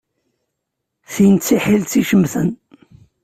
Tin d tiḥilet icemten.